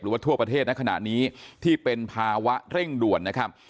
ทั่วประเทศในขณะนี้ที่เป็นภาวะเร่งด่วนนะครับ